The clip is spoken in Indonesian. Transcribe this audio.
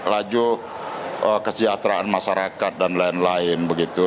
laju kesejahteraan masyarakat dan lain lain begitu